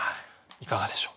いかがでしょう？